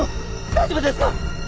大丈夫ですか！？